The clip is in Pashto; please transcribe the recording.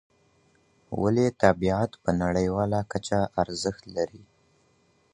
ولي تابعیت په نړیواله کچه ارزښت لري؟